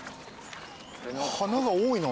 花が多いな。